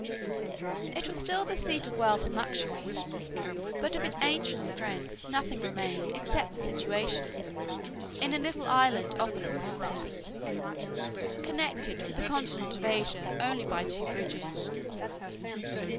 115 It was still the seat of wealth and luxury; but of its ancient strength, nothing remained except the situation, in a little island of the Propontis, connected with the continent of Asia only by two bridges.